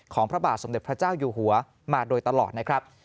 พระบาทสมเด็จพระเจ้าอยู่หัวมาโดยตลอดนะครับ